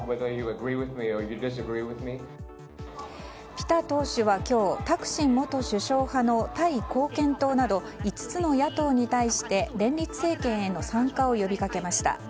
ピタ党首は今日タクシン元首相派のタイ貢献党など５つの野党に対して連立政権への参加を呼びかけました。